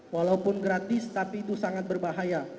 walaupun gratis tapi itu sangat berbahaya